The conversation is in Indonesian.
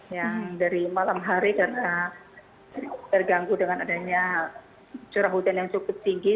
yang dari malam hari karena terganggu dengan adanya curah hujan yang cukup tinggi